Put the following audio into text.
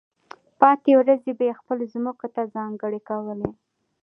پاتې ورځې به یې خپلو ځمکو ته ځانګړې کولې.